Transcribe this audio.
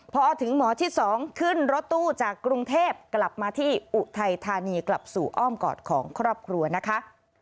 พอถึงหมอที่๒ขึ้นรถตู้จากกรุงเทพกลับมาที่อุทัยธานีกลับสู่อ้อมกอดของครอบครัวนะคะ